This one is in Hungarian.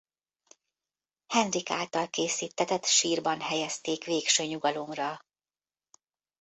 Henrik által készíttetett sírban helyezték végső nyugalomra.